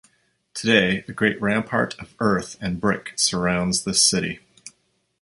Today a great rampart of earth and brick surrounds this city.